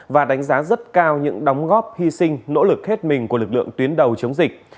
và đánh giá rất cao những đóng góp hy sinh nỗ lực hết mình của lực lượng tuyến đầu chống dịch